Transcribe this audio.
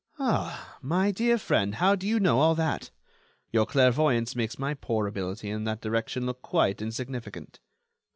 "Ah! my dear friend, how do you know all that? Your clairvoyance makes my poor ability in that direction look quite insignificant."